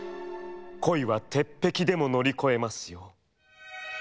恋は鉄壁でも乗り越えますよ」。